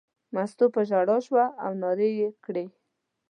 مستو په ژړا شوه او نارې یې کړې.